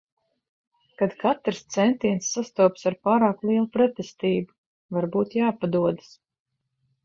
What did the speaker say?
Kad katrs centiens sastopas ar pārāk lielu pretestību. Varbūt jāpadodas.